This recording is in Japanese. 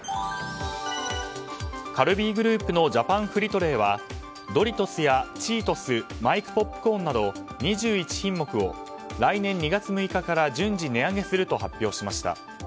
カルビーグループのジャパンフリトレーはドリトスやチートスマイクポップコーンなど２１品目を来年２月６日から順次、値上げすると発表しました。